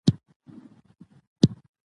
افغانستان د خپلو کلیو له امله هم مشهور دی.